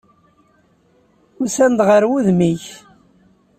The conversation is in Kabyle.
Usan-d ɣer wudem-ik.